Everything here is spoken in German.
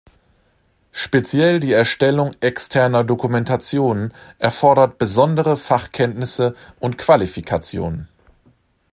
Speziell die Erstellung externer Dokumentationen erfordert besondere Fachkenntnisse und Qualifikationen.